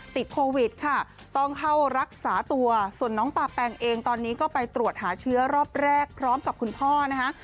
ติดโควิดค่ะต้องเข้ารักษาตัวส่วนน้องปาแปงเองตอนนี้ก็ไปตรวจหาเชื้อรอบแรกพร้อมกับคุณพ่อนะคะ